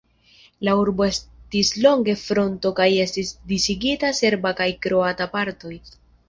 La urbo estis longe fronto kaj estis disigita serba kaj kroata partoj.